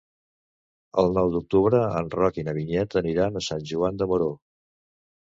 El nou d'octubre en Roc i na Vinyet aniran a Sant Joan de Moró.